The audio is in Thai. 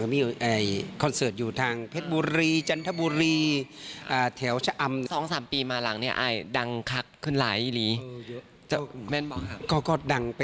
ไม่เกี่ยวกับแทบวันทางเดินเจ้าของนะ